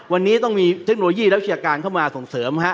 วันนี้ต้องมีเทคโนโลยีและวิชาการเข้ามาส่งเสริม